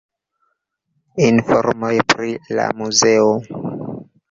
Informoj pri la muzeo.